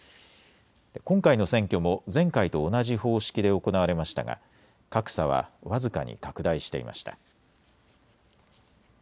今回の選挙も前回と同じ方式で行われましたが格差は僅かに拡大していました。